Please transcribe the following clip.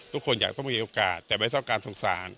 ทุกคนอยากต้องมีโอกาสแต่ไม่ต้องการสงสาร